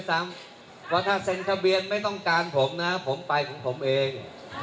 เพราะถ้าเซ็นทะเบียนไม่ต้องการผมนะผมไปของผมเอง